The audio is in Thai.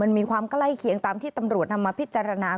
มันมีความใกล้เคียงตามที่ตำรวจนำมาพิจารณา